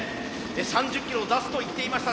３０キロを出すと言っていました。